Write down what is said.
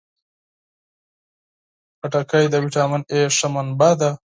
خټکی د ویټامین A ښه منبع ده.